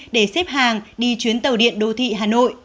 để xếp hàng đi chuyến tàu điện đô thị hà nội